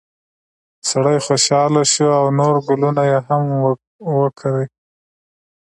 سړی خوشحاله شو او نور ګلونه یې هم وکري.